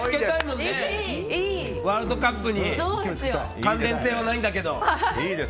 ワールドカップに関連性はないんだけど。